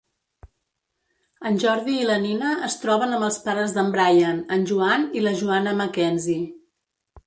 En Jordi i la Nina es troben amb els pares d'en Bryan, en Joan i la Joana MacKenzie.